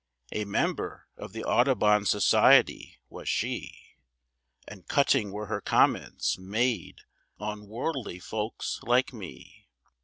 A member of the Audubon Society was she; And cutting were her comments made on worldly folks like me.